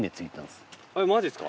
えっマジですか？